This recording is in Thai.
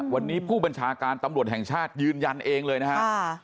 วันนี้ผู้บัญชาการตำรวจแห่งชาติยืนยันเองเลยนะครับ